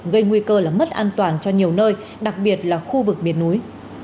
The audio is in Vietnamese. gây nguy cơ là mất an toàn cho nhiều nơi đặc biệt là khu vực miền núi